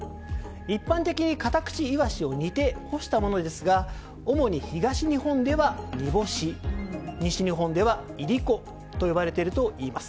一般的にカタクチイワシを煮て干したものですが主に東日本では煮干し西日本では、いりこと呼ばれているといいます。